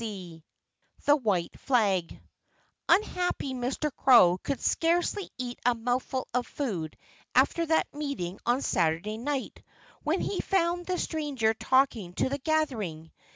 XXIII THE WHITE FLAG Unhappy Mr. Crow could scarcely eat a mouthful of food after that meeting on Saturday night, when he found the stranger talking to the gathering.